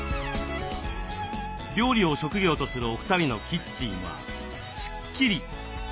料理を職業とするお二人のキッチンはスッキリ！